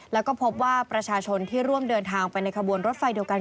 แล้วก็พบว่าประชาชนที่ร่วมเดินทางไปในขบวนรถไฟเดียวกัน